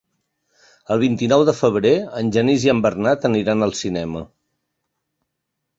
El vint-i-nou de febrer en Genís i en Bernat aniran al cinema.